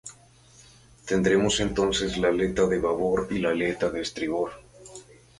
Tendremos entonces la aleta de babor y la aleta de estribor.